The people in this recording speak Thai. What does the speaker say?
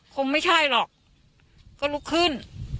คงไม่ใช่หรอกก็ลุกขึ้น